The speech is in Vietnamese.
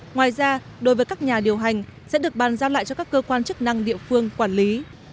ngoài ra đối với các nhà điều hành sẽ được bàn giao lại cho các cơ quan chức năng địa phương quản lý